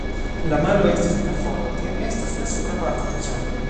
La malo estas plafono, tio estas la supra parto de ĉambro.